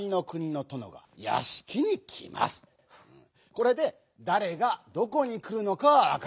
これで「だれ」が「どこに」くるのかはわかった。